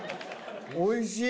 おいしい。